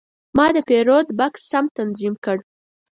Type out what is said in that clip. ما د پیرود بکس سم تنظیم کړ.